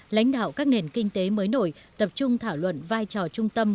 lãnh đạo các nền kinh tế mới nổi tập trung thảo luận vai trò trung tâm